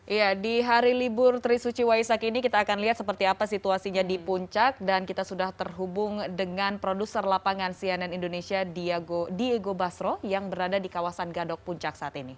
iya di hari libur trisuci waisak ini kita akan lihat seperti apa situasinya di puncak dan kita sudah terhubung dengan produser lapangan cnn indonesia diego basro yang berada di kawasan gadok puncak saat ini